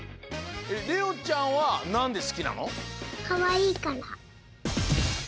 レオンちゃんはなんですきなの？